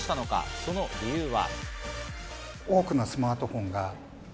その理由は。